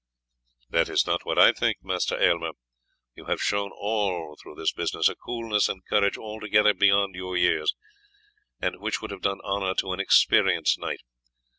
"That is not what I think, Master Aylmer. You have shown all through this business a coolness and courage altogether beyond your years, and which would have done honour to an experienced knight.